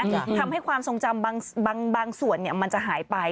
ทำให้ความทรงจำบางส่วนมันจะหายไป